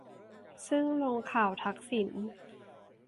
ซึ่งลงข่าวทักษิณ